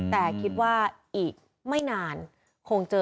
แต่คิดว่าอีกไม่นานคงเจอ